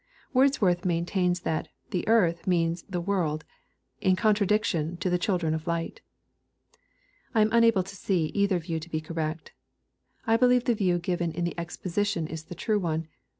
Wordsworth maintains that " the earth" means the " world," in contradiction to the children of light. I am unable to see either view to be correct I believe the view given in the Exposition is the frue one.